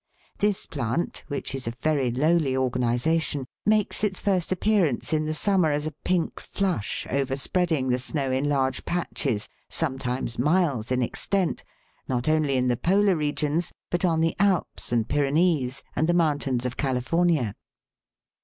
This plant, which is of very lowly organisation, makes its first appearance in the summer as a pink flush overspreading the snow in large patches, sometimes miles in extent, not only in the Polar regions, but on the Alps and Pyrenees and the mountains of California.